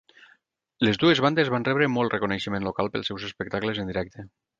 Les dues bandes van rebre molt reconeixement local pels seus espectacles en directe.